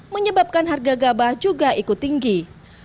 menyebabkan harga gabah juga ikut tinggi